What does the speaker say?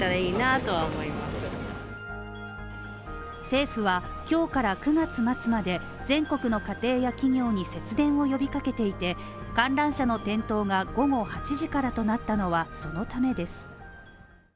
政府は今日から９月末まで全国の家庭や企業に節電を呼びかけていて観覧車の点灯が午後８時からとなったのはそのためです。